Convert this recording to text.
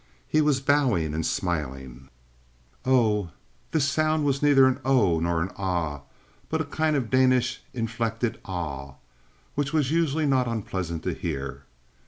He was bowing and smiling: "Oh." This sound was neither an "oh" nor an "ah," but a kind of Danish inflected "awe," which was usually not unpleasing to hear.